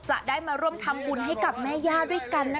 จะได้มาร่วมทำบุญให้กับแม่ย่าด้วยกันนะคะ